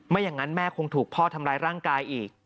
อย่างนั้นแม่คงถูกพ่อทำร้ายร่างกายอีก